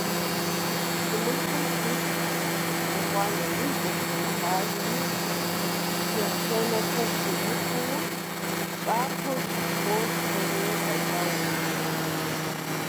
Си мылъкум хуит ухъуа нэужь, дэтхэнэ къуажэми чэщанэхэр щыухуэ, щӀакхъуэм фо щӀыгъуу фӀэкӀа умышх.